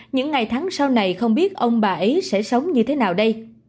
những ngày tháng sau này không biết ông bà ấy sẽ sống như thế nào đây